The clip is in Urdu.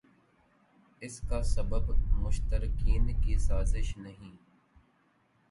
اس کا سبب مشترقین کی سازش نہیں